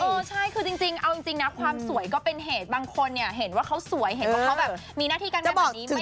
เออใช่คือจริงเอาจริงนะความสวยก็เป็นเหตุบางคนเนี่ยเห็นว่าเขาสวยเห็นว่าเขาแบบมีหน้าที่การงานแบบนี้ไหม